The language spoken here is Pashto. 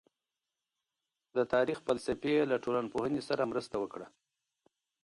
د تاريخ فلسفې له ټولنپوهنې سره مرسته وکړه.